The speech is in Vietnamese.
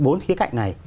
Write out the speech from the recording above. bốn khía cạnh này